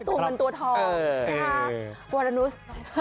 ตัวเงินตัวทอง